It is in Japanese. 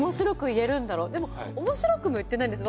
でも面白くも言ってないんです。